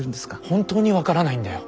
本当に分からないんだよ。